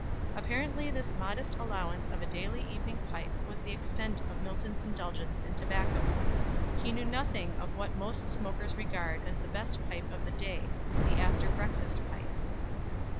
Apparently this modest allowance of a daily evening pipe was the extent of Milton's indulgence in tobacco. He knew nothing of what most smokers regard as the best pipe of the day the after breakfast pipe.